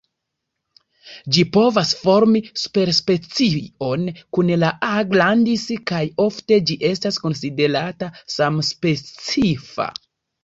Ĝi povas formi superspecion kun la "A. grandis" kaj ofte ĝi estas konsiderata samspecifa.